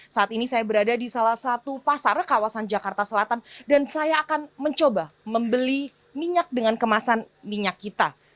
saat ini saya berada di salah satu pasar kawasan jakarta selatan dan saya akan mencoba membeli minyak dengan kemasan minyak kita